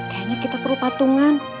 kayanya kita perlu patungan